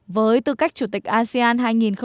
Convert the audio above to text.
với tư cách chủ tịch asean hai nghìn một mươi tám